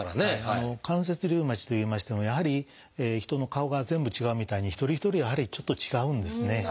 関節リウマチといいましてもやはり人の顔が全部違うみたいに一人一人やはりちょっと違うんですね。